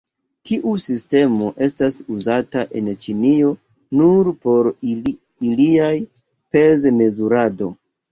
Tiu sistemo estas uzata en Ĉinio nur por ilia pez-mezurado.